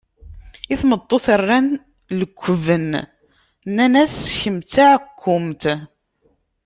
I tmeṭṭut rran lekben, nnan-as kemm d taɛkumt.